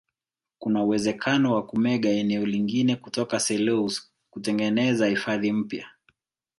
kuna uwezekano wa kumega eneo lingine kutoka selous kutengeneza hifadhi mpya